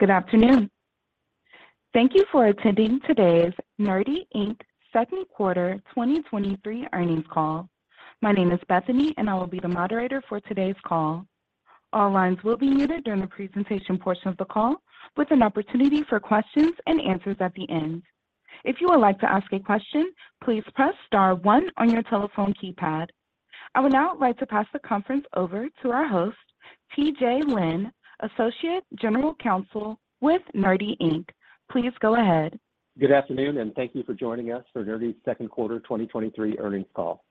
Good afternoon. Thank you for attending today's Nerdy Inc.'s Second Quarter 2023 Earnings Call. My name is Bethany, and I will be the moderator for today's call. All lines will be muted during the presentation portion of the call, with an opportunity for questions and answers at the end. If you would like to ask a question, please press star one on your telephone keypad. I would now like to pass the conference over to our host, TJ Lynn, Associate General Counsel with Nerdy Inc. Please go ahead. Good afternoon, and thank you for joining us for Nerdy's second quarter 2023 earnings call.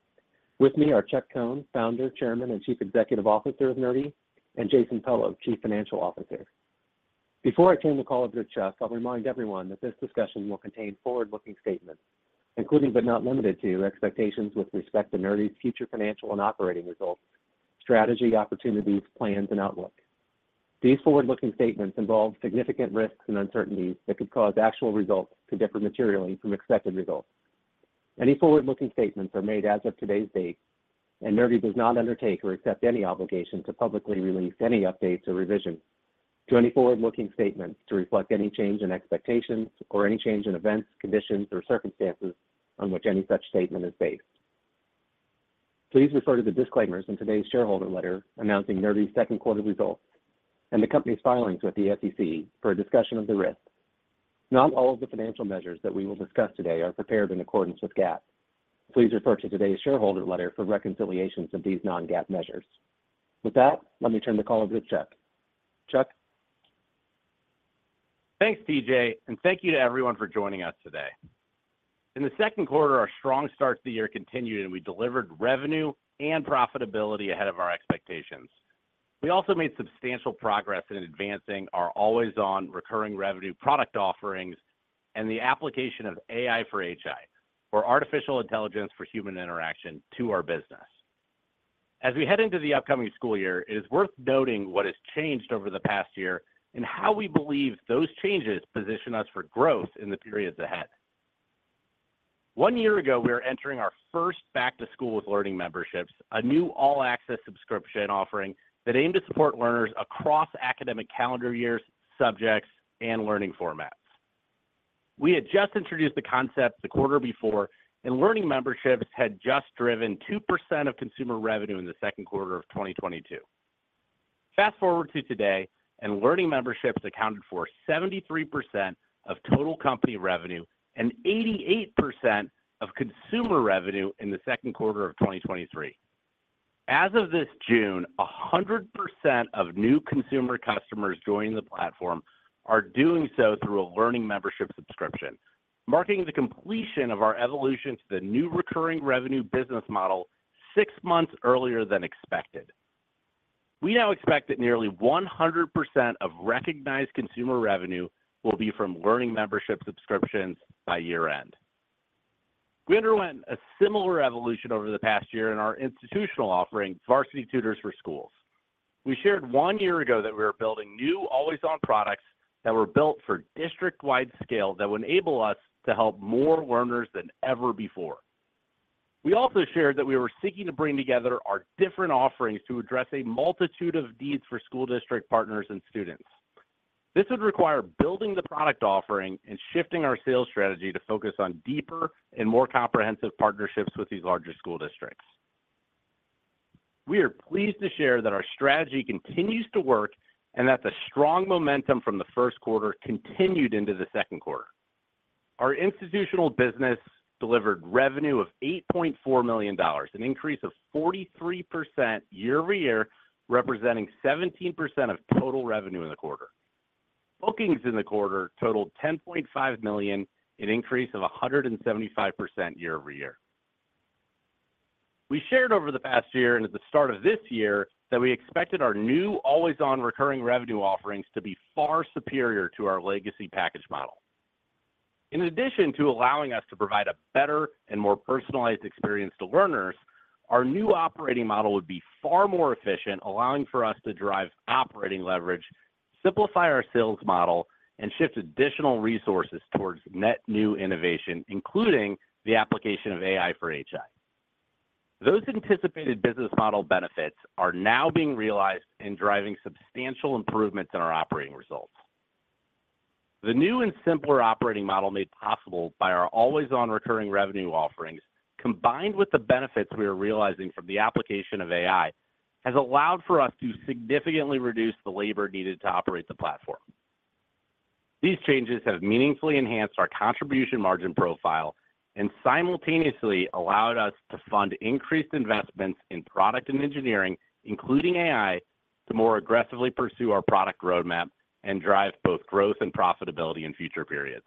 With me are Chuck Cohn, Founder, Chairman, and Chief Executive Officer of Nerdy, and Jason Pello, Chief Financial Officer. Before I turn the call over to Chuck, I'll remind everyone that this discussion will contain forward-looking statements, including but not limited to expectations with respect to Nerdy's future financial and operating results, strategy, opportunities, plans, and outlook. These forward-looking statements involve significant risks and uncertainties that could cause actual results to differ materially from expected results. Any forward-looking statements are made as of today's date, and Nerdy does not undertake or accept any obligation to publicly release any updates or revisions to any forward-looking statements to reflect any change in expectations or any change in events, conditions, or circumstances on which any such statement is based. Please refer to the disclaimers in today's shareholder letter announcing Nerdy's second quarter results and the company's filings with the SEC for a discussion of the risks. Not all of the financial measures that we will discuss today are prepared in accordance with GAAP. Please refer to today's shareholder letter for reconciliations of these non-GAAP measures. With that, let me turn the call over to Chuck. Chuck? Thanks, TJ. Thank you to everyone for joining us today. In the second quarter, our strong start to the year continued, and we delivered revenue and profitability ahead of our expectations. We also made substantial progress in advancing our always-on recurring revenue product offerings and the application of AI for HI, or artificial intelligence for human interaction, to our business. As we head into the upcoming school year, it is worth noting what has changed over the past year and how we believe those changes position us for growth in the periods ahead. One year ago, we were entering our first back-to-school with Learning Memberships, a new All Access subscription offering that aimed to support learners across academic calendar years, subjects, and learning formats. We had just introduced the concept the quarter before, and Learning Memberships had just driven 2% of consumer revenue in the second quarter of 2022. Fast forward to today, and Learning Memberships accounted for 73% of total company revenue and 88% of consumer revenue in the second quarter of 2023. As of this June, 100% of new consumer customers joining the platform are doing so through a Learning Membership subscription, marking the completion of our evolution to the new recurring revenue business model 6 months earlier than expected. We now expect that nearly 100% of recognized consumer revenue will be from Learning Membership subscriptions by year-end. We underwent a similar evolution over the past year in our institutional offering, Varsity Tutors for Schools. We shared 1 year ago that we were building new always-on products that were built for district-wide scale that would enable us to help more learners than ever before. We also shared that we were seeking to bring together our different offerings to address a multitude of needs for school district partners and students. This would require building the product offering and shifting our sales strategy to focus on deeper and more comprehensive partnerships with these larger school districts. We are pleased to share that our strategy continues to work and that the strong momentum from the first quarter continued into the second quarter. Our institutional business delivered revenue of $8.4 million, an increase of 43% year-over-year, representing 17% of total revenue in the quarter. Bookings in the quarter totaled $10.5 million, an increase of 175% year-over-year. We shared over the past year and at the start of this year, that we expected our new always-on recurring revenue offerings to be far superior to our legacy package model. In addition to allowing us to provide a better and more personalized experience to learners, our new operating model would be far more efficient, allowing for us to drive operating leverage, simplify our sales model, and shift additional resources towards net new innovation, including the application of AI for HI. Those anticipated business model benefits are now being realized in driving substantial improvements in our operating results. The new and simpler operating model made possible by our always-on recurring revenue offerings, combined with the benefits we are realizing from the application of AI, has allowed for us to significantly reduce the labor needed to operate the platform. These changes have meaningfully enhanced our contribution margin profile and simultaneously allowed us to fund increased investments in product and engineering, including AI, to more aggressively pursue our product roadmap and drive both growth and profitability in future periods.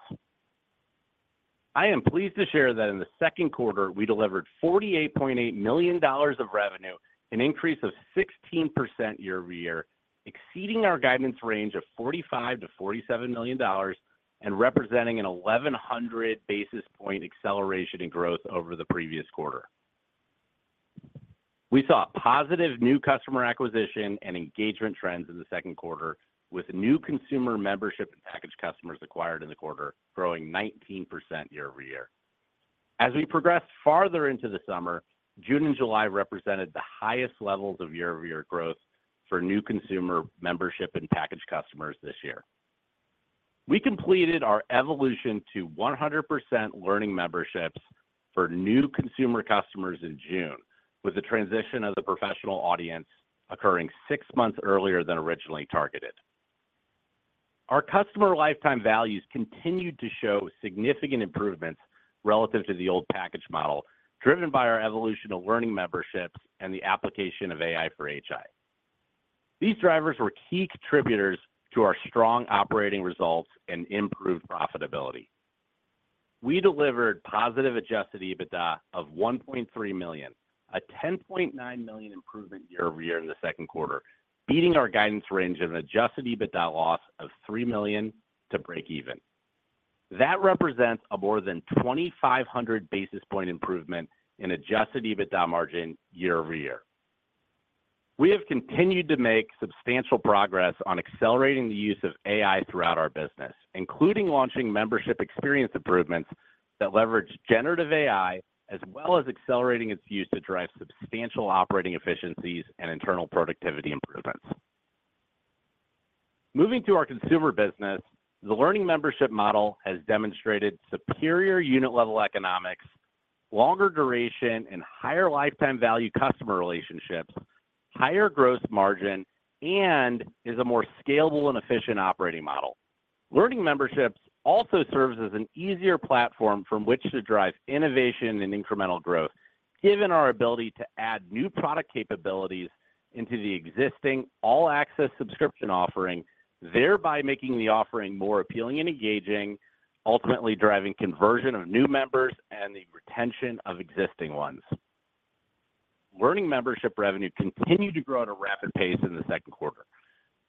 I am pleased to share that in the second quarter, we delivered $48.8 million of revenue, an increase of 16% year-over-year, exceeding our guidance range of $45 million-$47 million and representing a 1,100 basis point acceleration in growth over the previous quarter. We saw positive new customer acquisition and engagement trends in the second quarter, with new consumer membership and package customers acquired in the quarter growing 19% year-over-year. As we progress farther into the summer, June and July represented the highest levels of year-over-year growth for new consumer membership and package customers this year. We completed our evolution to 100% Learning Memberships for new consumer customers in June, with the transition of the professional audience occurring six months earlier than originally targeted. Our customer lifetime values continued to show significant improvements relative to the old package model, driven by our evolution of Learning Memberships and the application of AI for HI. These drivers were key contributors to our strong operating results and improved profitability. We delivered positive Adjusted EBITDA of $1.3 million, a $10.9 million improvement year-over-year in the 2Q, beating our guidance range of an Adjusted EBITDA loss of $3 million to break even. That represents a more than 2,500 basis point improvement in Adjusted EBITDA margin year-over-year. We have continued to make substantial progress on accelerating the use of AI throughout our business, including launching membership experience improvements that leverage generative AI, as well as accelerating its use to drive substantial operating efficiencies and internal productivity improvements. Moving to our consumer business, the learning membership model has demonstrated superior unit-level economics, longer duration and higher lifetime value customer relationships, higher gross margin, and is a more scalable and efficient operating model. Learning Memberships also serves as an easier platform from which to drive innovation and incremental growth, given our ability to add new product capabilities into the existing All Access subscription offering, thereby making the offering more appealing and engaging, ultimately driving conversion of new members and the retention of existing ones. Learning Membership revenue continued to grow at a rapid pace in the second quarter.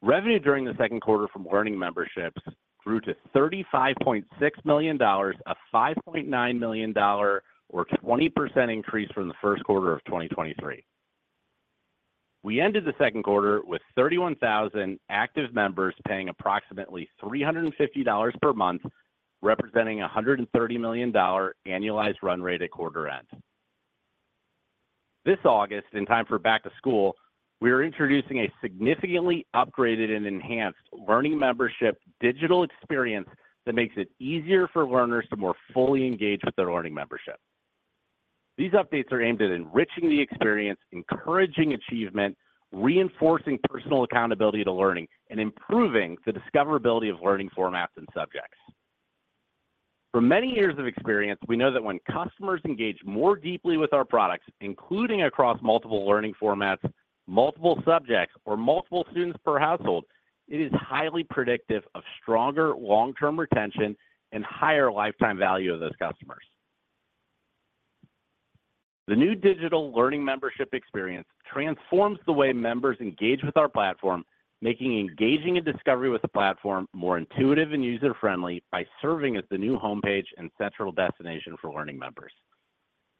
Revenue during the second quarter from Learning Memberships grew to $35.6 million, a $5.9 million, or 20% increase from the first quarter of 2023. We ended the second quarter with 31,000 active members paying approximately $350 per month, representing a $130 million annualized run rate at quarter end. This August, in time for back to school, we are introducing a significantly upgraded and enhanced learning membership digital experience that makes it easier for learners to more fully engage with their Learning Memberships. These updates are aimed at enriching the experience, encouraging achievement, reinforcing personal accountability to learning, and improving the discoverability of learning formats and subjects. From many years of experience, we know that when customers engage more deeply with our products, including across multiple learning formats, multiple subjects, or multiple students per household, it is highly predictive of stronger long-term retention and higher lifetime value of those customers. The new digital Learning Memberships experience transforms the way members engage with our platform, making engaging in discovery with the platform more intuitive and user-friendly by serving as the new homepage and central destination for learning members.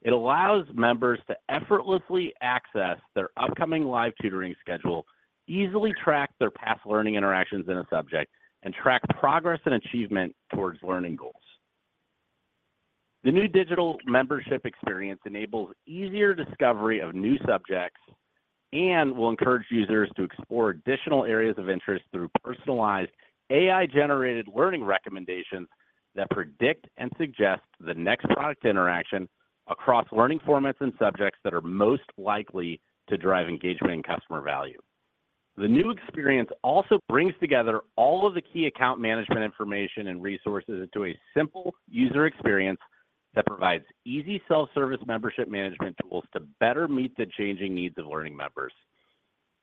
It allows members to effortlessly access their upcoming live tutoring schedule, easily track their past learning interactions in a subject, and track progress and achievement towards learning goals. The new digital membership experience enables easier discovery of new subjects and will encourage users to explore additional areas of interest through personalized AI-generated learning recommendations that predict and suggest the next product interaction across learning formats and subjects that are most likely to drive engagement and customer value. The new experience also brings together all of the key account management information and resources into a simple user experience that provides easy self-service membership management tools to better meet the changing needs of learning members.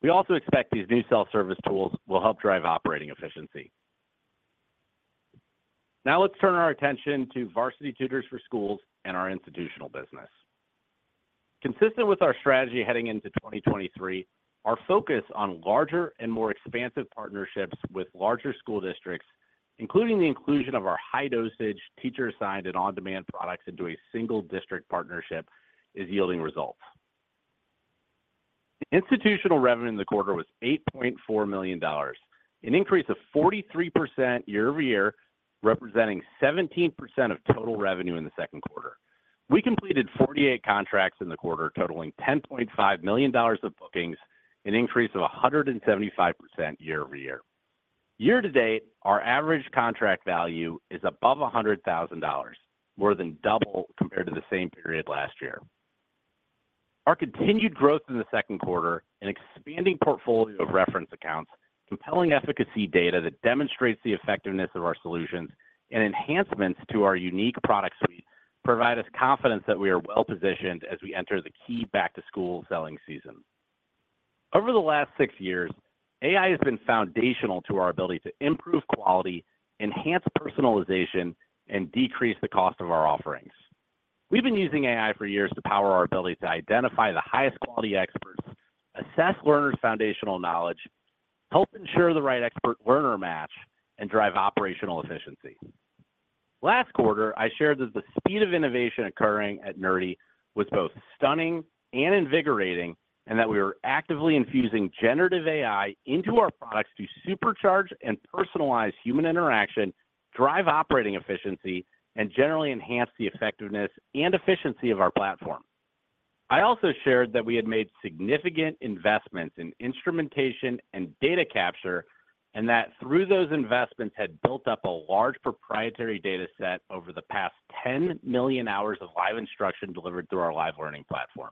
We also expect these new self-service tools will help drive operating efficiency. Now, let's turn our attention to Varsity Tutors for Schools and our institutional business. Consistent with our strategy heading into 2023, our focus on larger and more expansive partnerships with larger school districts, including the inclusion of our high-dosage teacher-assigned and on-demand products into a single district partnership, is yielding results. The institutional revenue in the quarter was $8.4 million, an increase of 43% year-over-year, representing 17% of total revenue in the second quarter. We completed 48 contracts in the quarter, totaling $10.5 million of bookings, an increase of 175% year-over-year. Year to date, our average contract value is above $100,000, more than double compared to the same period last year. Our continued growth in the second quarter, an expanding portfolio of reference accounts, compelling efficacy data that demonstrates the effectiveness of our solutions, and enhancements to our unique product suite provide us confidence that we are well positioned as we enter the key back-to-school selling season. Over the last six years, AI has been foundational to our ability to improve quality, enhance personalization, and decrease the cost of our offerings. We've been using AI for years to power our ability to identify the highest quality experts, assess learners' foundational knowledge, help ensure the right expert-learner match, and drive operational efficiency. Last quarter, I shared that the speed of innovation occurring at Nerdy was both stunning and invigorating, and that we were actively infusing generative AI into our products to supercharge and personalize human interaction, drive operating efficiency, and generally enhance the effectiveness and efficiency of our platform.... I also shared that we had made significant investments in instrumentation and data capture, and that through those investments, had built up a large proprietary data set over the past 10 million hours of live instruction delivered through our live learning platform.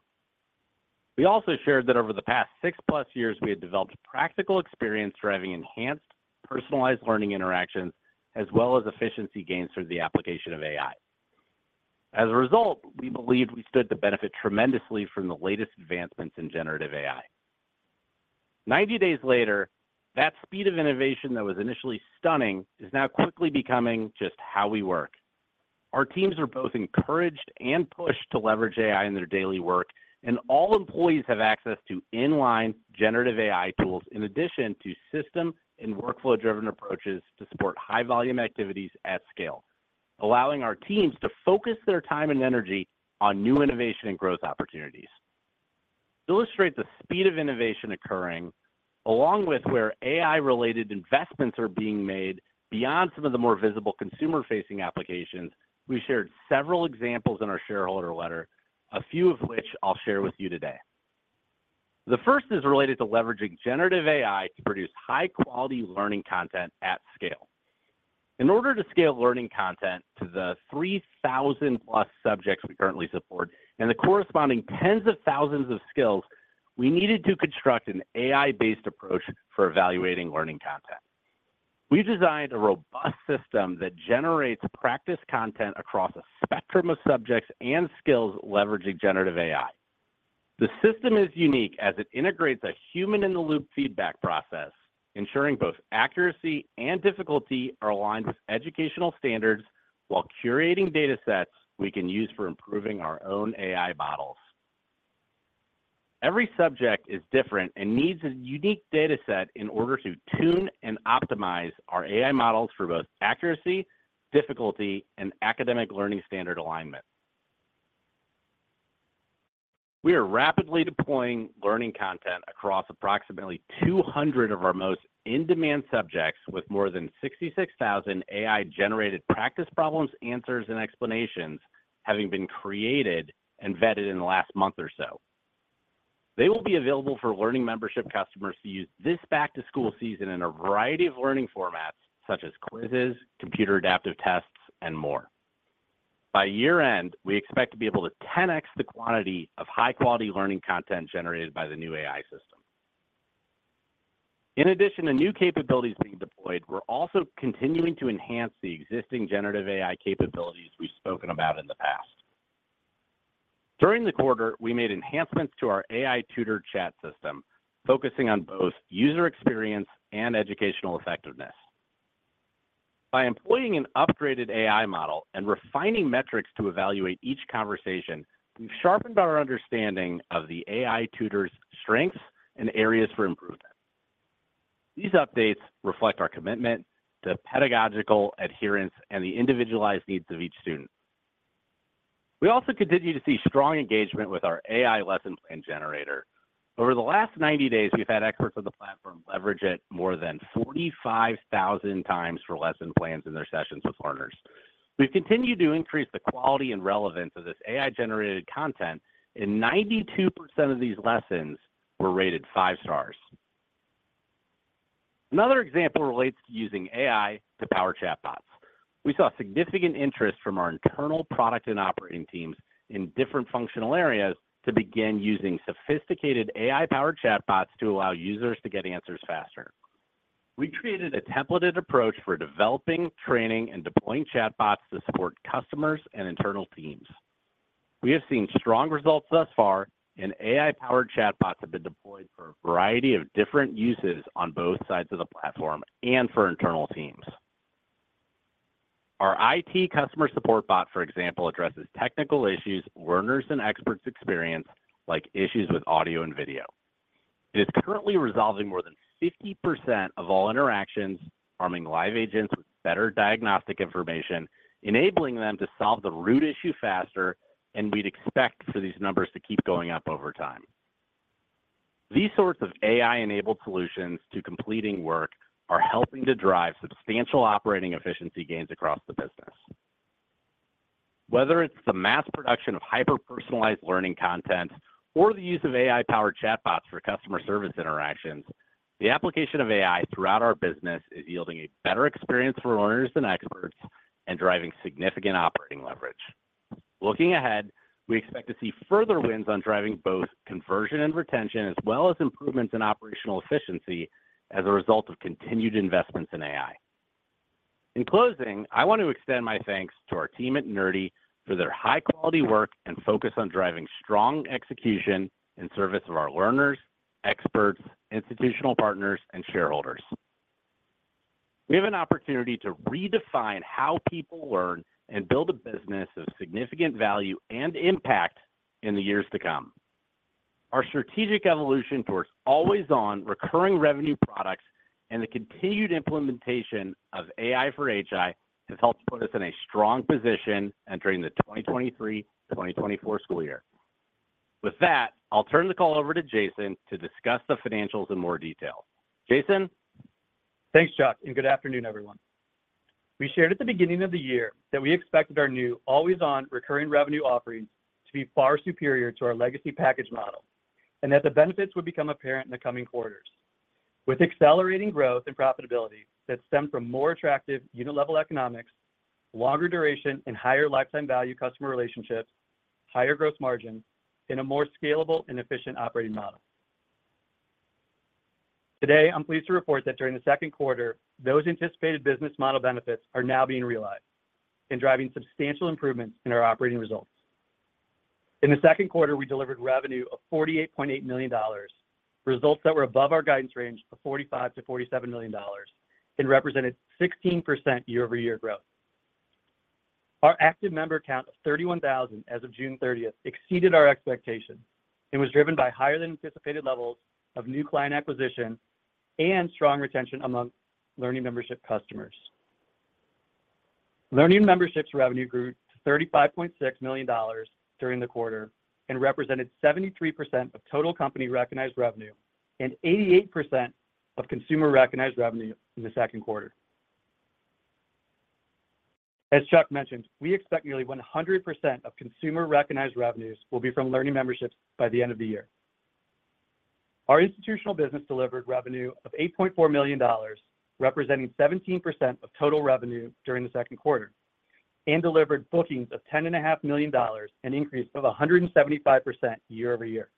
We also shared that over the past 6+ years, we had developed practical experience driving enhanced, personalized learning interactions, as well as efficiency gains through the application of AI. As a result, we believed we stood to benefit tremendously from the latest advancements in generative AI. 90 days later, that speed of innovation that was initially stunning is now quickly becoming just how we work. Our teams are both encouraged and pushed to leverage AI in their daily work, and all employees have access to inline generative AI tools, in addition to system and workflow-driven approaches to support high-volume activities at scale, allowing our teams to focus their time and energy on new innovation and growth opportunities. To illustrate the speed of innovation occurring, along with where AI-related investments are being made beyond some of the more visible consumer-facing applications, we shared several examples in our shareholder letter, a few of which I'll share with you today. The first is related to leveraging generative AI to produce high-quality learning content at scale. In order to scale learning content to the 3,000-plus subjects we currently support and the corresponding tens of thousands of skills, we needed to construct an AI-based approach for evaluating learning content. We designed a robust system that generates practice content across a spectrum of subjects and skills, leveraging generative AI. The system is unique as it integrates a human-in-the-loop feedback process, ensuring both accuracy and difficulty are aligned with educational standards while curating datasets we can use for improving our own AI models. Every subject is different and needs a unique dataset in order to tune and optimize our AI models for both accuracy, difficulty, and academic learning standard alignment. We are rapidly deploying learning content across approximately 200 of our most in-demand subjects, with more than 66,000 AI-generated practice problems, answers, and explanations having been created and vetted in the last month or so. They will be available for Learning Memberships customers to use this back-to-school season in a variety of learning formats, such as quizzes, computer-adaptive tests, and more. By year-end, we expect to be able to 10x the quantity of high-quality learning content generated by the new AI system. In addition to new capabilities being deployed, we're also continuing to enhance the existing generative AI capabilities we've spoken about in the past. During the quarter, we made enhancements to our AI tutor chat system, focusing on both user experience and educational effectiveness. By employing an upgraded AI model and refining metrics to evaluate each conversation, we've sharpened our understanding of the AI tutor's strengths and areas for improvement. These updates reflect our commitment to pedagogical adherence and the individualized needs of each student. We also continue to see strong engagement with our AI lesson plan generator. Over the last 90 days, we've had experts on the platform leverage it more than 45,000 times for lesson plans in their sessions with learners. We've continued to increase the quality and relevance of this AI-generated content. 92% of these lessons were rated 5 stars. Another example relates to using AI to power chatbots. We saw significant interest from our internal product and operating teams in different functional areas to begin using sophisticated AI-powered chatbots to allow users to get answers faster. We created a templated approach for developing, training, and deploying chatbots to support customers and internal teams. We have seen strong results thus far. AI-powered chatbots have been deployed for a variety of different uses on both sides of the platform and for internal teams. Our IT customer support bot, for example, addresses technical issues learners and experts experience, like issues with audio and video. It is currently resolving more than 50% of all interactions, arming live agents with better diagnostic information, enabling them to solve the root issue faster, and we'd expect for these numbers to keep going up over time. These sorts of AI-enabled solutions to completing work are helping to drive substantial operating efficiency gains across the business. Whether it's the mass production of hyper-personalized learning content or the use of AI-powered chatbots for customer service interactions, the application of AI throughout our business is yielding a better experience for learners and experts, and driving significant operating leverage. Looking ahead, we expect to see further wins on driving both conversion and retention, as well as improvements in operational efficiency as a result of continued investments in AI. In closing, I want to extend my thanks to our team at Nerdy for their high-quality work and focus on driving strong execution in service of our learners, experts, institutional partners, and shareholders. We have an opportunity to redefine how people learn and build a business of significant value and impact in the years to come. Our strategic evolution towards always-on recurring revenue products and the continued implementation of AI for HI has helped put us in a strong position entering the 2023/2024 school year. With that, I'll turn the call over to Jason to discuss the financials in more detail. Jason? Thanks, Chuck, good afternoon, everyone. We shared at the beginning of the year that we expected our new always-on recurring revenue offerings to be far superior to our legacy package model, and that the benefits would become apparent in the coming quarters. With accelerating growth and profitability that stem from more attractive unit-level economics, longer duration and higher lifetime value customer relationships, higher growth margin, and a more scalable and efficient operating model. Today, I'm pleased to report that during the second quarter, those anticipated business model benefits are now being realized and driving substantial improvements in our operating results. In the second quarter, we delivered revenue of $48.8 million, results that were above our guidance range of $45 million-$47 million and represented 16% year-over-year growth. Our active member count of 31,000 as of June 30th, exceeded our expectations and was driven by higher than anticipated levels of new client acquisition and strong retention among Learning Memberships customers. Learning Memberships revenue grew to $35.6 million during the quarter and represented 73% of total company recognized revenue and 88% of consumer recognized revenue in the second quarter. As Chuck mentioned, we expect nearly 100% of consumer recognized revenues will be from Learning Memberships by the end of the year. Our institutional business delivered revenue of $8.4 million, representing 17% of total revenue during the second quarter, and delivered bookings of $10.5 million, an increase of 175% year-over-year.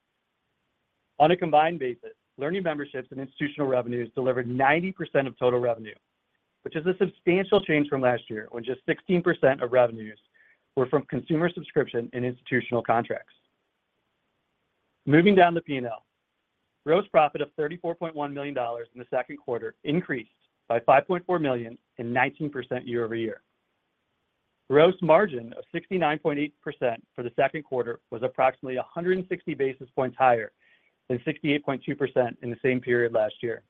On a combined basis, Learning Memberships and institutional revenues delivered 90% of total revenue, which is a substantial change from last year, when just 16% of revenues were from consumer subscription and institutional contracts. Moving down the P&L, gross profit of $34.1 million in the second quarter increased by $5.4 million and 19% year-over-year. Gross margin of 69.8% for the second quarter was approximately 160 basis points higher than 68.2% in the same period last year.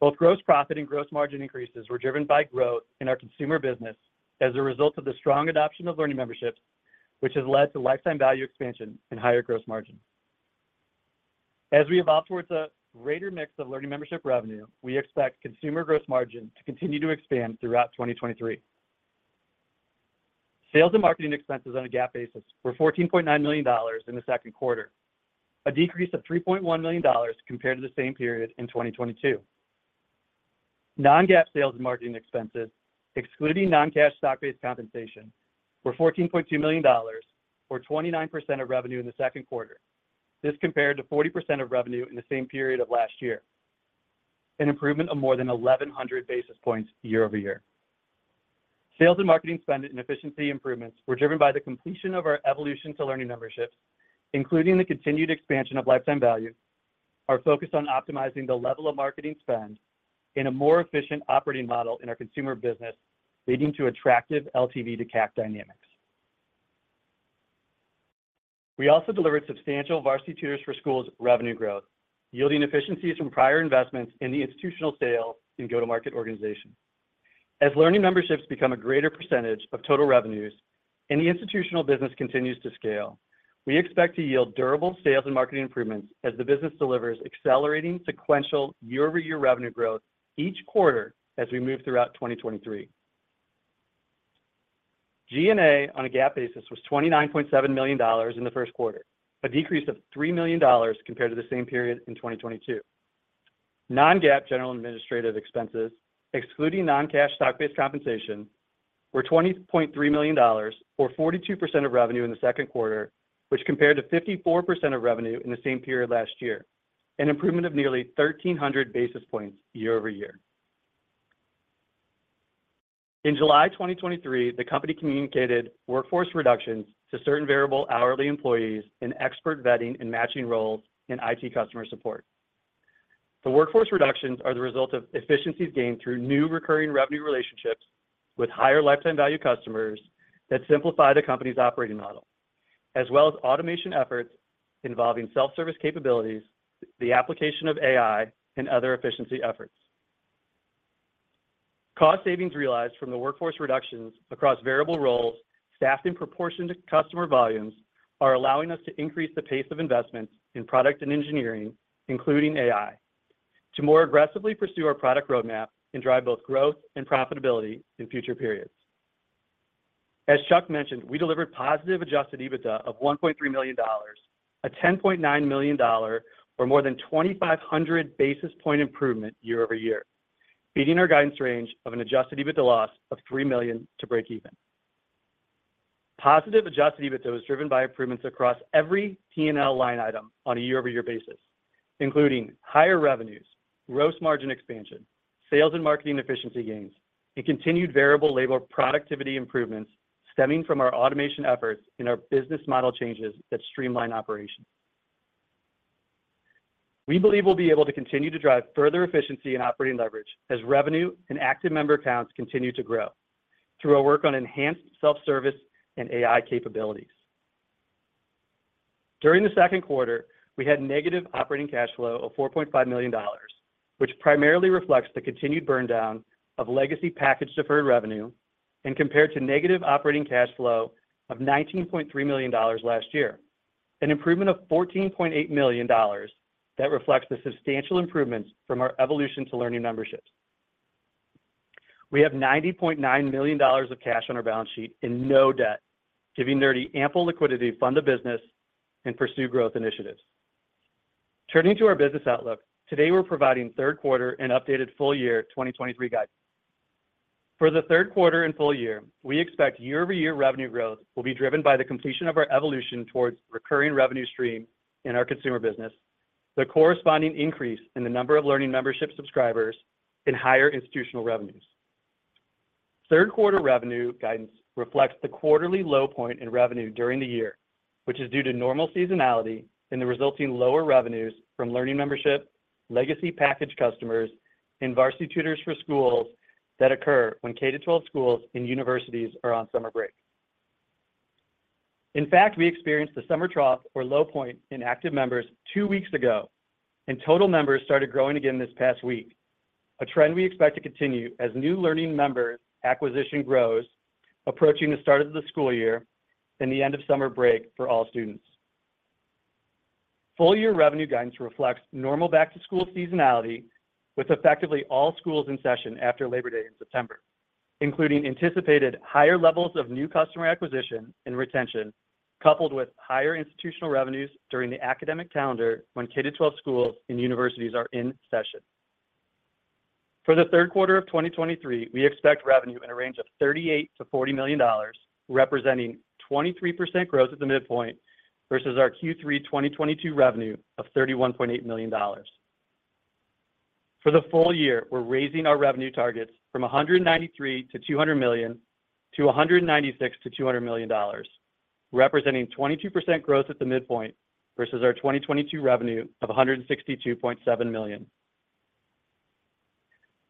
Both gross profit and gross margin increases were driven by growth in our consumer business as a result of the strong adoption of Learning Memberships, which has led to lifetime value expansion and higher gross margin. As we evolve towards a greater mix of Learning Memberships revenue, we expect consumer gross margin to continue to expand throughout 2023. Sales and marketing expenses on a GAAP basis were $14.9 million in the second quarter, a decrease of $3.1 million compared to the same period in 2022. Non-GAAP sales and marketing expenses, excluding non-cash stock-based compensation, were $14.2 million or 29% of revenue in the second quarter. This compared to 40% of revenue in the same period of last year, an improvement of more than 1,100 basis points year-over-year. Sales and marketing spend and efficiency improvements were driven by the completion of our evolution to Learning Memberships, including the continued expansion of lifetime value, our focus on optimizing the level of marketing spend in a more efficient operating model in our consumer business, leading to attractive LTV to CAC dynamics. We also delivered substantial Varsity Tutors for Schools revenue growth, yielding efficiencies from prior investments in the institutional sales and go-to-market organization. As Learning Memberships become a greater % of total revenues and the institutional business continues to scale, we expect to yield durable sales and marketing improvements as the business delivers accelerating sequential year-over-year revenue growth each quarter as we move throughout 2023. G&A on a GAAP basis was $29.7 million in the first quarter, a decrease of $3 million compared to the same period in 2022. Non-GAAP general and administrative expenses, excluding non-cash stock-based compensation, were $20.3 million or 42% of revenue in the second quarter, which compared to 54% of revenue in the same period last year, an improvement of nearly 1,300 basis points year-over-year. In July 2023, the company communicated workforce reductions to certain variable hourly employees in expert vetting and matching roles in IT customer support. The workforce reductions are the result of efficiencies gained through new recurring revenue relationships with higher lifetime value customers that simplify the company's operating model, as well as automation efforts involving self-service capabilities, the application of AI, and other efficiency efforts. Cost savings realized from the workforce reductions across variable roles, staffed in proportion to customer volumes, are allowing us to increase the pace of investment in product and engineering, including AI, to more aggressively pursue our product roadmap and drive both growth and profitability in future periods. As Chuck mentioned, we delivered positive Adjusted EBITDA of $1.3 million, a $10.9 million or more than 2,500 basis point improvement year-over-year, beating our guidance range of an Adjusted EBITDA loss of $3 million to break even. Positive Adjusted EBITDA was driven by improvements across every P&L line item on a year-over-year basis, including higher revenues, gross margin expansion, sales and marketing efficiency gains, and continued variable labor productivity improvements stemming from our automation efforts and our business model changes that streamline operations. We believe we'll be able to continue to drive further efficiency and operating leverage as revenue and active member accounts continue to grow through our work on enhanced self-service and AI capabilities. During the second quarter, we had negative operating cash flow of $4.5 million, which primarily reflects the continued burn down of legacy package deferred revenue and compared to negative operating cash flow of $19.3 million last year. Improvement of $14.8 million that reflects the substantial improvements from our evolution to Learning Memberships. We have $90.9 million of cash on our balance sheet and no debt, giving Nerdy ample liquidity to fund the business and pursue growth initiatives. Turning to our business outlook, today, we're providing third quarter and updated full year 2023 guidance. For the third quarter and full year, we expect year-over-year revenue growth will be driven by the completion of our evolution towards recurring revenue stream in our consumer business, the corresponding increase in the number of Learning Memberships subscribers, and higher institutional revenues. Third quarter revenue guidance reflects the quarterly low point in revenue during the year, which is due to normal seasonality and the resulting lower revenues from Learning Memberships, legacy package customers, and Varsity Tutors for Schools that occur when K-12 schools and universities are on summer break. In fact, we experienced the summer trough or low point in active members two weeks ago, and total members started growing again this past week, a trend we expect to continue as new Learning Member acquisition grows, approaching the start of the school year and the end of summer break for all students. Full year revenue guidance reflects normal back-to-school seasonality, with effectively all schools in session after Labor Day in September, including anticipated higher levels of new customer acquisition and retention, coupled with higher institutional revenues during the academic calendar when K-12 schools and universities are in session. For the third quarter of 2023, we expect revenue in a range of $38 million-$40 million, representing 23% growth at the midpoint versus our Q3 2022 revenue of $31.8 million. For the full year, we're raising our revenue targets from $193 million-$200 million to $196 million-$200 million, representing 22% growth at the midpoint versus our 2022 revenue of $162.7 million.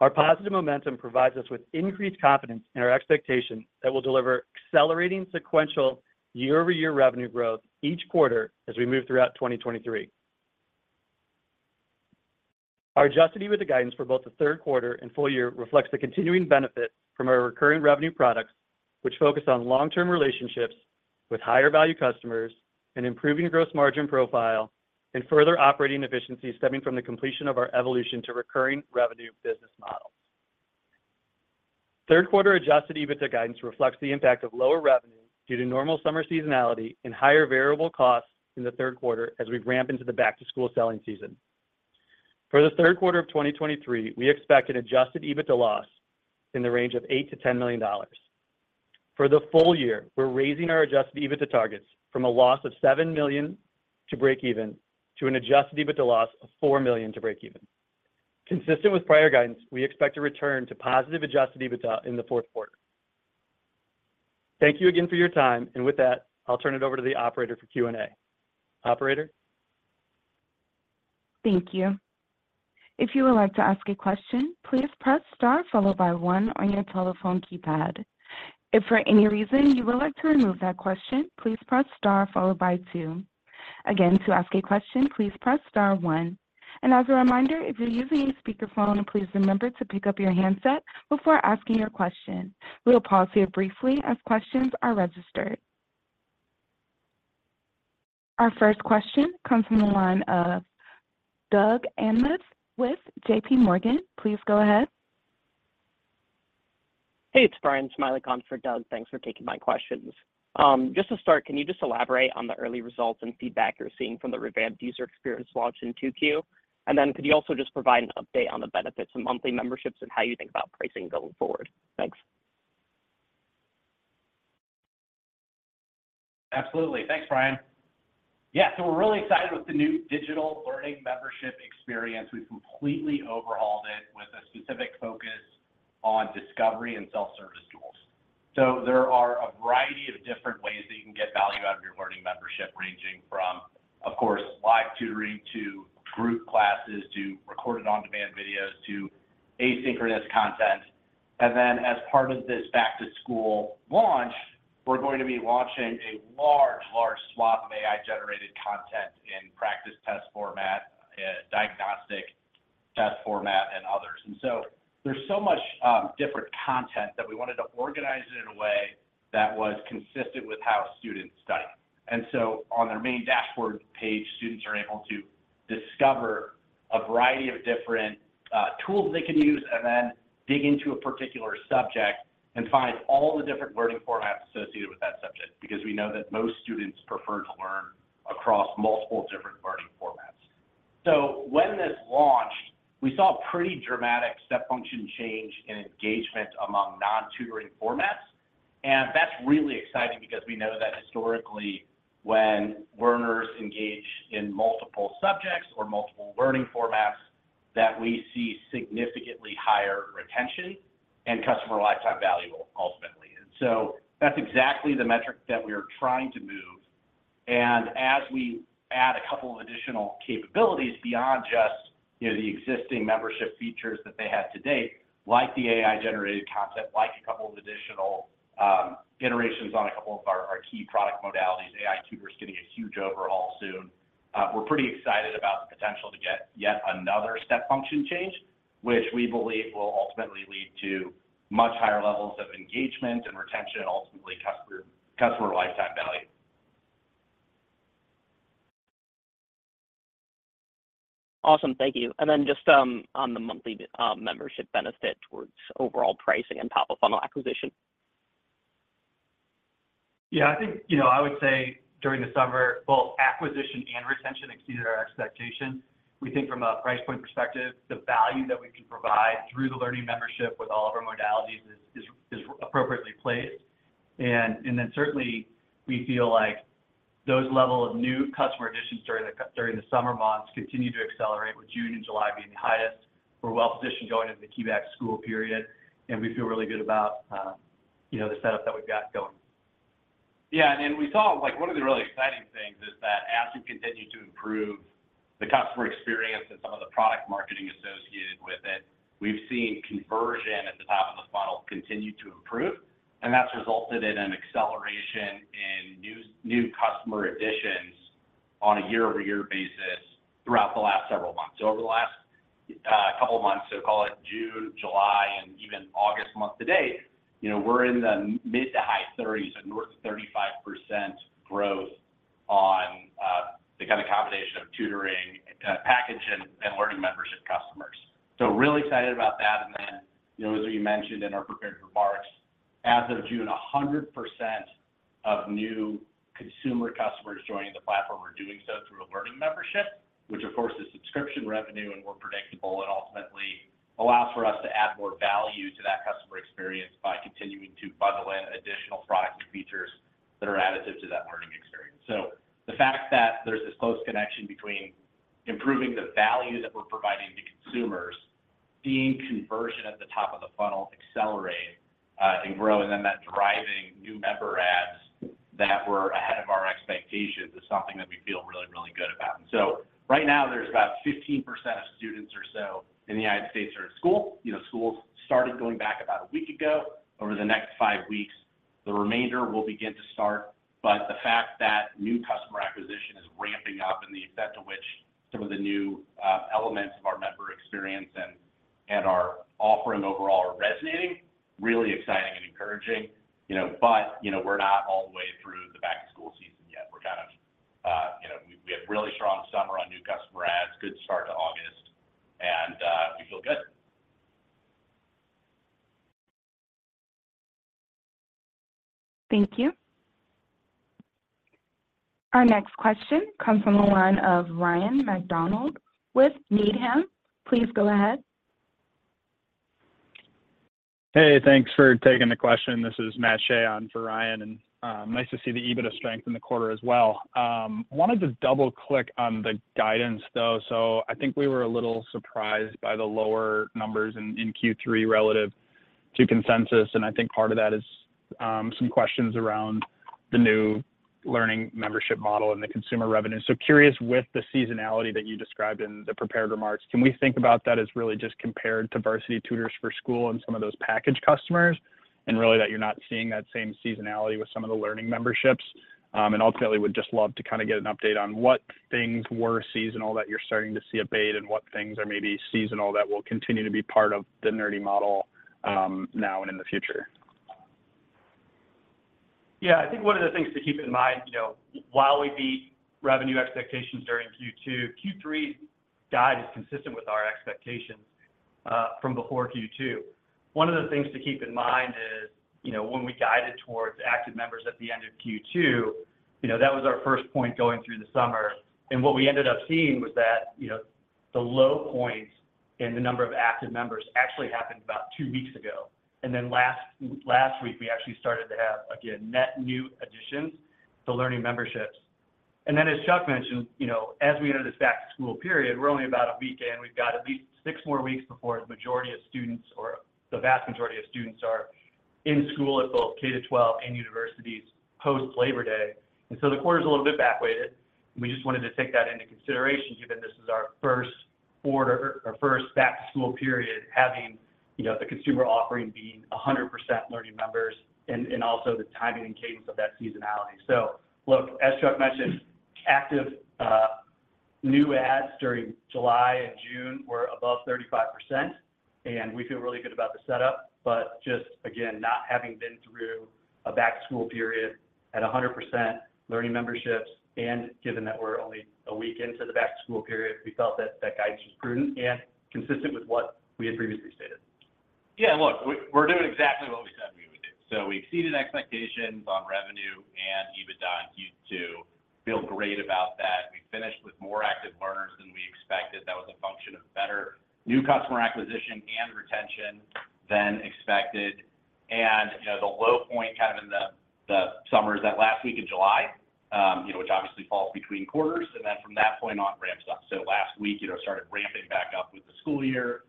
Our positive momentum provides us with increased confidence in our expectation that we'll deliver accelerating sequential year-over-year revenue growth each quarter as we move throughout 2023. Our Adjusted EBITDA guidance for both the third quarter and full year reflects the continuing benefit from our recurring revenue products, which focus on long-term relationships with higher value customers, an improving gross margin profile, and further operating efficiencies stemming from the completion of our evolution to recurring revenue business model. Third quarter Adjusted EBITDA guidance reflects the impact of lower revenue due to normal summer seasonality and higher variable costs in the third quarter as we ramp into the back-to-school selling season. For the third quarter of 2023, we expect an Adjusted EBITDA loss in the range of $8 million-$10 million. For the full year, we're raising our Adjusted EBITDA targets from a loss of $7 million to breakeven to an Adjusted EBITDA loss of $4 million to breakeven. Consistent with prior guidance, we expect to return to positive Adjusted EBITDA in the fourth quarter. Thank you again for your time, and with that, I'll turn it over to the operator for Q&A. Operator? Thank you. If you would like to ask a question, please press star followed by one on your telephone keypad. If for any reason you would like to remove that question, please press star followed by two. Again, to ask a question, please press star one. As a reminder, if you're using a speakerphone, please remember to pick up your handset before asking your question. We'll pause here briefly as questions are registered. Our first question comes from the line of Doug Anmuth with J.P. Morgan. Please go ahead. Hey, it's Bryan Smilek, on for Doug. Thanks for taking my questions. Just to start, can you just elaborate on the early results and feedback you're seeing from the revamped user experience launch in Q2? Could you also just provide an update on the benefits of monthly memberships and how you think about pricing going forward? Thanks. Absolutely. Thanks, Bryan. Yeah, we're really excited with the new digital Learning Memberships experience. We've completely overhauled it with a specific focus on discovery and self-service tools. There are a variety of different ways that you can get value out of your Learning Memberships, ranging from, of course, live tutoring, to group classes, to recorded on-demand videos, to asynchronous content. Then as part of this back-to-school launch, we're going to be launching a large, large swath of AI-generated content in practice test format, diagnostic test format, and others. There's so much different content that we wanted to organize it in a way that was consistent with how students study. On their main dashboard page, students are able to discover a variety of different tools they can use, and then dig into a particular subject and find all the different learning formats associated with that subject, because we know that most students prefer to learn across multiple different learning formats. When this launched, we saw a pretty dramatic step function change in engagement among non-tutoring formats, and that's really exciting because we know that historically, when learners engage in multiple subjects or multiple learning formats, that we see significantly higher retention and customer lifetime value ultimately. That's exactly the metric that we are trying to move. As we add a couple of additional capabilities beyond just, you know, the existing membership features that they have to date, like the AI-generated content, like a couple of additional iterations on a couple of our, our key product modalities, AI Tutor is getting a huge overhaul soon. We're pretty excited about the potential to get yet another step function change, which we believe will ultimately lead to much higher levels of engagement and retention, and ultimately customer, customer lifetime value. Awesome. Thank you. Just on the monthly membership benefit towards overall pricing and top-of-funnel acquisition. Yeah, I think, you know, I would say during the summer, both acquisition and retention exceeded our expectations. We think from a price point perspective, the value that we can provide through the Learning Memberships with all of our modalities is, is, is appropriately placed. Then certainly, we feel like those level of new customer additions during the summer months continue to accelerate, with June and July being the highest. We're well-positioned going into the key back-to-school period, and we feel really good about, you know, the setup that we've got going. Yeah, then we saw, like one of the really exciting things is that as we continue to improve the customer experience and some of the product marketing associated with it, we've seen conversion at the top of the funnel continue to improve, and that's resulted in an acceleration in new new customer additions on a year-over-year basis throughout the last several months. Over the last couple of months, so call it June, July, and even August month to date, you know, we're in the mid to high thirties, and we're at 35% growth on the kind of combination of tutoring package and, and Learning Memberships customers. Really excited about that, you know, as we mentioned in our prepared remarks, as of June, 100% of new consumer customers joining the platform are doing so through a Learning Membership, which of course, is subscription revenue, and more predictable, and ultimately allows for us to add more value to that customer experience by continuing to bundle in additional products and features that are additive to that learning experience. The fact that there's this close connection between improving the value that we're providing to consumers, seeing conversion at the top of the funnel accelerate, and grow, and then that driving new member adds that were ahead of our expectations is something that we feel really, really good about. Right now, there's about 15% of students or so in the United States that are in school. You know, schools started going back about a week ago. Over the next five weeks, the remainder will begin to start. The fact that new customer acquisition is ramping up and the extent to which some of the new elements of our member experience and our offering overall are resonating, really exciting and encouraging. You know, but, you know, we're not all the way through the back-to-school season yet. We're kind of, you know, we had a really strong summer on new customer adds, good start to August, and we feel good. Thank you. Our next question comes from the line of Ryan MacDonald with Needham. Please go ahead. Hey, thanks for taking the question. This is Matt Shea on for Ryan, nice to see the EBITDA strength in the quarter as well. Wanted to double-click on the guidance, though. I think we were a little surprised by the lower numbers in Q3 relative to consensus, and I think part of that is some questions around the new Learning Memberships model and the consumer revenue. Curious, with the seasonality that you described in the prepared remarks, can we think about that as really just compared to Varsity Tutors for Schools and some of those package customers, and really that you're not seeing that same seasonality with some of the Learning Memberships? Ultimately, would just love to kinda get an update on what things were seasonal that you're starting to see abate, and what things are maybe seasonal that will continue to be part of the Nerdy model, now and in the future. Yeah, I think one of the things to keep in mind, you know, while we beat revenue expectations during Q2, Q3 guide is consistent with our expectations, from before Q2. One of the things to keep in mind is, you know, when we guided towards active members at the end of Q2, you know, that was our first point going through the summer. What we ended up seeing was that, you know, the low points in the number of active members actually happened about two weeks ago, last, last week, we actually started to have, again, net new additions to Learning Memberships. As Chuck mentioned, you know, as we enter this back-to-school period, we're only about a week in. We've got at least 6 more weeks before the majority of students, or the vast majority of students, are in school at both K-12 and universities post-Labor Day. The quarter is a little bit back weighted, and we just wanted to take that into consideration, given this is our first back-to-school period, having, you know, the consumer offering being 100% Learning Memberships and also the timing and cadence of that seasonality. Look, as Chuck mentioned, active new adds during July and June were above 35%, and we feel really good about the setup. Just again, not having been through a back-to-school period at 100% Learning Memberships, and given that we're only a week into the back-to-school period, we felt that that guidance was prudent and consistent with what we had previously stated. Yeah, look, we're, we're doing exactly what we said we would do. We exceeded expectations on revenue and EBITDA in Q2. Feel great about that. We finished with more active learners than we expected. That was a function of better new customer acquisition and retention than expected. You know, the low point, kind of in the, the summer, is that last week in July, you know, which obviously falls between quarters, and then from that point on, it ramps up. Last week, you know, started ramping back up with the school year.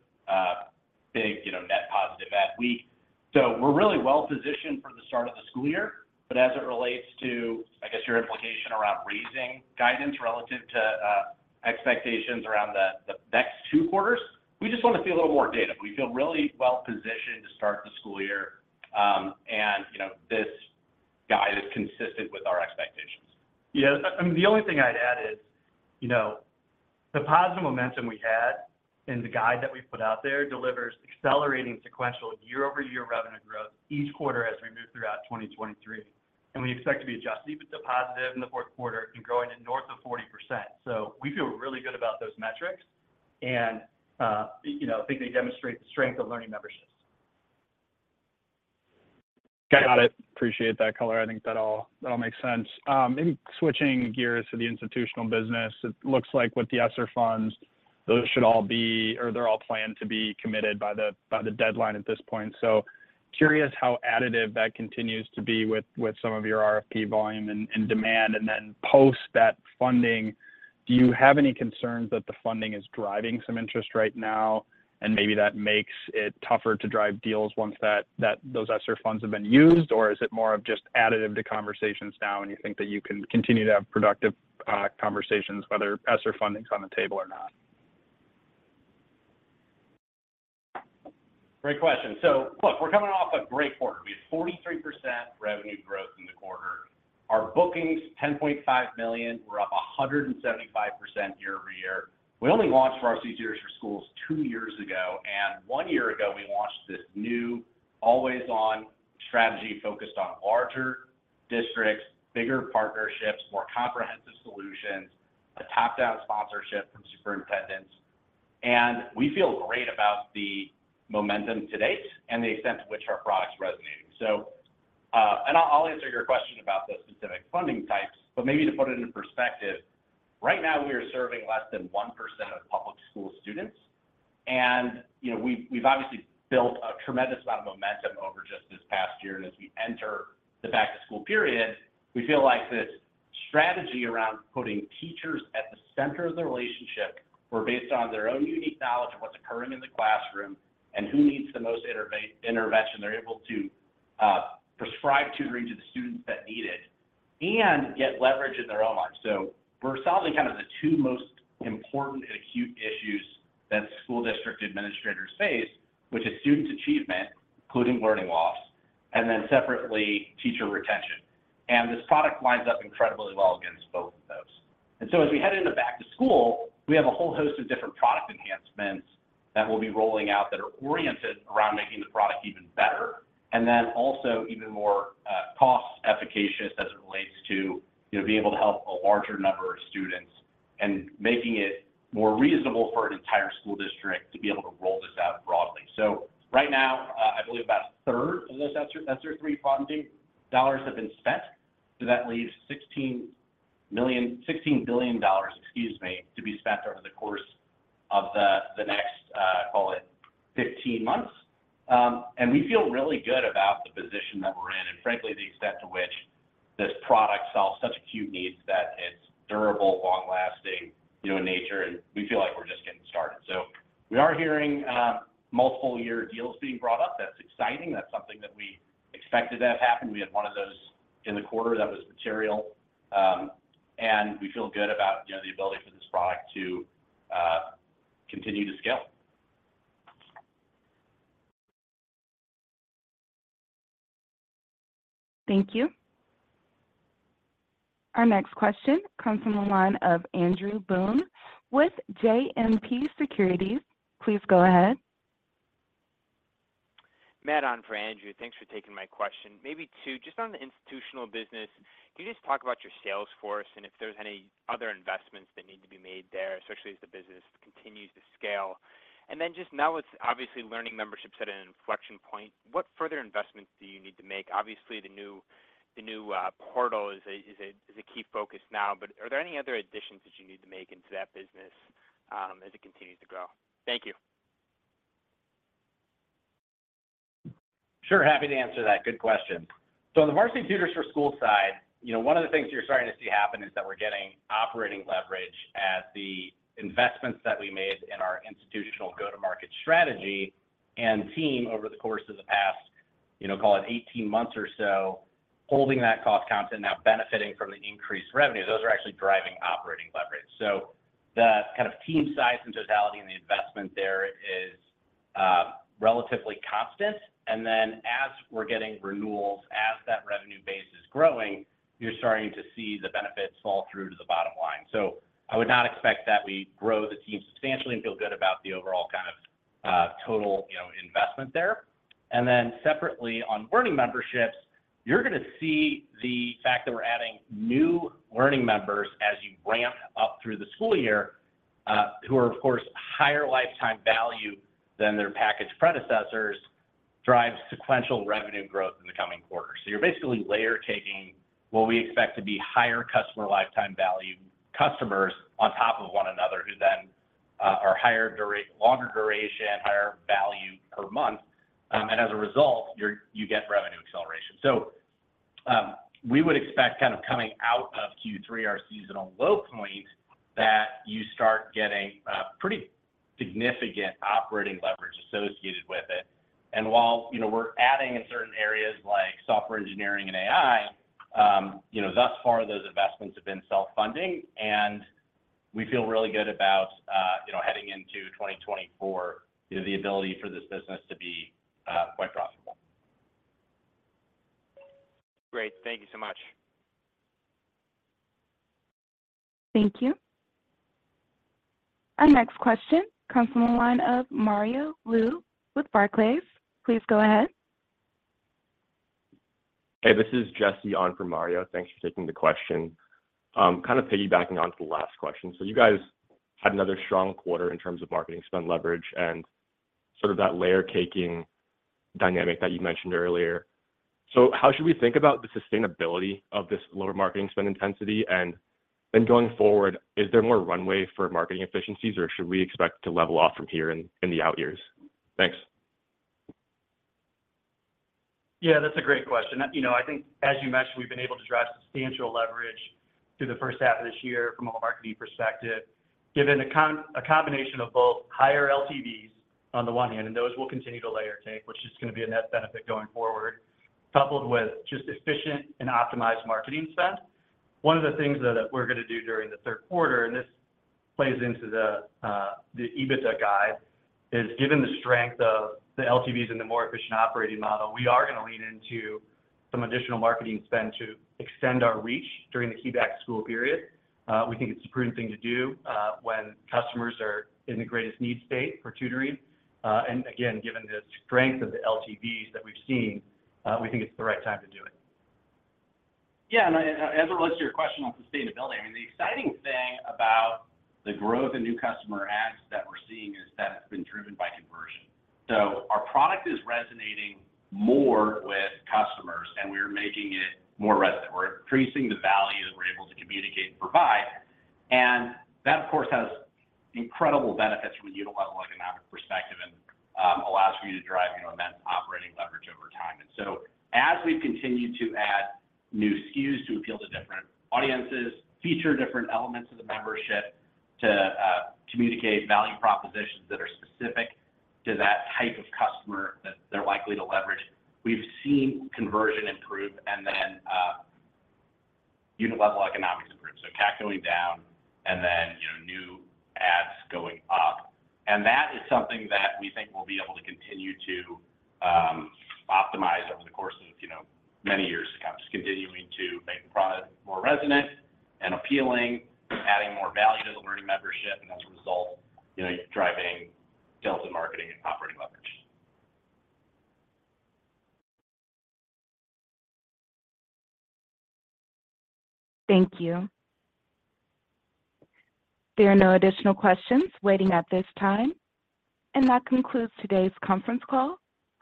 Big, you know, net positive that week. We're really well-positioned for the start of the school year. As it relates to, I guess, your implication around raising guidance relative to expectations around 2 quarters. We just wanna see a little more data. We feel really well-positioned to start the school year, and, you know, this guide is consistent with our expectations. The only thing I'd add is, you know, the positive momentum we had in the guide that we put out there delivers accelerating sequential year-over-year revenue growth each quarter as we move throughout 2023. We expect to be Adjusted EBITDA positive in the fourth quarter and growing to north of 40%. We feel really good about those metrics, and, you know, I think they demonstrate the strength of Learning Memberships. Got it. Appreciate that color. I think that all, that all makes sense. Maybe switching gears to the institutional business, it looks like with the ESSER funds, those should all be, or they're all planned to be committed by the, by the deadline at this point. Curious how additive that continues to be with, with some of your RFP volume and, and demand, and then post that funding, do you have any concerns that the funding is driving some interest right now, and maybe that makes it tougher to drive deals once that, that those ESSER funds have been used? Is it more of just additive to conversations now, and you think that you can continue to have productive conversations whether ESSER funding's on the table or not? Great question. Look, we're coming off a great quarter. We had 43% revenue growth in the quarter. Our bookings, $10.5 million, were up 175% year-over-year. We only launched Varsity Tutors for Schools 2 years ago, and 1 year ago, we launched this new always-on strategy focused on larger districts, bigger partnerships, more comprehensive solutions, a top-down sponsorship from superintendents. We feel great about the momentum to date and the extent to which our product's resonating. I'll answer your question about the specific funding types, but maybe to put it into perspective, right now we are serving less than 1% of public school students. You know, we've, we've obviously built a tremendous amount of momentum over just this past year. As we enter the back to school period, we feel like this strategy around putting teachers at the center of the relationship, where based on their own unique knowledge of what's occurring in the classroom and who needs the most intervention, they're able to prescribe tutoring to the students that need it and get leverage in their own lives. We're solving kind of the two most important and acute issues that school district administrators face, which is student achievement, including learning loss, and then separately, teacher retention. This product lines up incredibly well against both of those. As we head into back to school, we have a whole host of different product enhancements that we'll be rolling out that are oriented around making the product even better, and then also even more cost-efficacious as it relates to, you know, being able to help a larger number of students and making it more reasonable for an entire school district to be able to roll this out broadly. Right now, I believe about a third of those ESSER, ESSER III funding dollars have been spent, so that leaves 16 million-$16 billion, excuse me, to be spent over the course of the next, call it 15 months. We feel really good about the position that we're in, and frankly, the extent to which this product solves such acute needs that it's durable, long-lasting, you know, in nature, and we feel like we're just getting started. We are hearing multiple year deals being brought up. That's exciting. That's something that we expected to have happen. We had 1 of those in the quarter that was material, and we feel good about, you know, the ability for this product to continue to scale. Thank you. Our next question comes from the line of Andrew Boone with JMP Securities. Please go ahead. Matt, on for Andrew. Thanks for taking my question. Maybe two, just on the institutional business, can you just talk about your sales force and if there's any other investments that need to be made there, especially as the business continues to scale? Then just now with obviously Learning Memberships at an inflection point, what further investments do you need to make? Obviously, the new, the new portal is a, is a, is a key focus now, but are there any other additions that you need to make into that business as it continues to grow? Thank you. Sure, happy to answer that. Good question. On the Varsity Tutors for Schools side, you know, one of the things you're starting to see happen is that we're getting operating leverage as the investments that we made in our institutional go-to-market strategy and team over the course of the past, you know, call it 18 months or so, holding that cost constant, now benefiting from the increased revenue. Those are actually driving operating leverage. The kind of team size and totality and the investment there is relatively constant. As we're getting renewals, as that revenue base is growing, you're starting to see the benefits fall through to the bottom line. I would not expect that we grow the team substantially and feel good about the overall kind of total, you know, investment there. Separately, on Learning Memberships, you're gonna see the fact that we're adding new learning members as you ramp up through the school year, who are, of course, higher lifetime value than their package predecessors, drive sequential revenue growth in the coming quarters. You're basically layer-caking what we expect to be higher customer lifetime value customers on top of one another, who then are longer duration, higher value per month. As a result, you get revenue acceleration. We would expect kind of coming out of Q3, our seasonal low point, that you start getting pretty significant operating leverage associated with it. While, you know, we're adding in certain areas like software engineering and AI. You know, thus far, those investments have been self-funding, and we feel really good about, you know, heading into 2024, you know, the ability for this business to be, quite profitable. Great. Thank you so much. Thank you. Our next question comes from the line of Mario Lu with Barclays. Please go ahead. Hey, this is Jesse on for Mario. Thanks for taking the question. Kind of piggybacking onto the last question. You guys had another strong quarter in terms of marketing spend leverage and sort of that layer-caking dynamic that you mentioned earlier. How should we think about the sustainability of this lower marketing spend intensity? Going forward, is there more runway for marketing efficiencies, or should we expect to level off from here in the out years? Thanks. Yeah, that's a great question. You know, I think as you mentioned, we've been able to drive substantial leverage through the first half of this year from a marketing perspective, given a combination of both higher LTVs on the one hand, and those will continue to layer-cake, which is gonna be a net benefit going forward, coupled with just efficient and optimized marketing spend. One of the things that we're gonna do during the third quarter, and this plays into the EBITDA guide, is given the strength of the LTVs and the more efficient operating model, we are gonna lean into some additional marketing spend to extend our reach during the key back-to-school period. We think it's the prudent thing to do when customers are in the greatest need state for tutoring. Again, given the strength of the LTVs that we've seen, we think it's the right time to do it. As it relates to your question on sustainability, I mean, the exciting thing about the growth in new customer adds that we're seeing is that it's been driven by conversion. Our product is resonating more with customers, and we are making it more resonant. We're increasing the value that we're able to communicate and provide, and that, of course, has incredible benefits from a unit-level economic perspective and allows for you to drive, you know, immense operating leverage over time. As we've continued to add new SKUs to appeal to different audiences, feature different elements of the membership to communicate value propositions that are specific to that type of customer that they're likely to leverage, we've seen conversion improve and then unit-level economics improve. CAC going down and then, you know, new adds going up. That is something that we think we'll be able to continue to optimize over the course of, you know, many years to come. Just continuing to make the product more resonant and appealing, adding more value to the Learning Memberships, and as a result, you know, driving sales and marketing and operating leverage. Thank you. There are no additional questions waiting at this time, and that concludes today's conference call.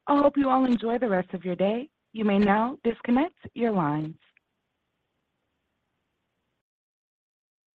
I hope you all enjoy the rest of your day. You may now disconnect your lines.